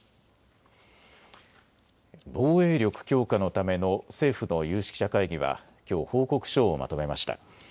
防衛力強化のための政府の有識者会議はきょう報告書をまとめました。